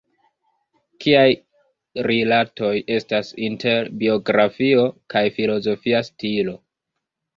Kiaj rilatoj estas inter biografio kaj filozofia stilo?